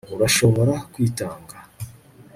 urashobora kwitanga